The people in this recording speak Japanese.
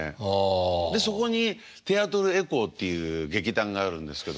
そこにテアトル・エコーっていう劇団があるんですけども。